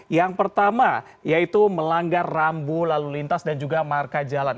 yang pertama yaitu melanggar rambu lalu lintas dan juga marka jalan